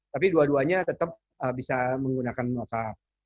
tapi dua duanya tetap bisa menggunakan whatsapp